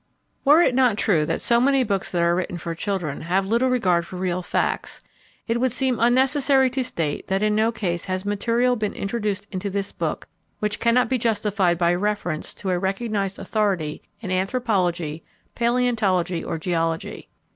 Were it not true that so many books that are written for children have little regard for real facts, it would seem unnecessary to state that in no case has material been introduced into this book which cannot be justified by reference to a recognized authority in anthropology, paleontology, or geology.